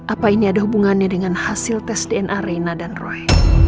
apa ini ada hubungannya dengan hasil tes dna reina dan roy